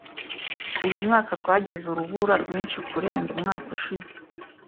Uyu mwaka twagize urubura rwinshi kurenza umwaka ushize.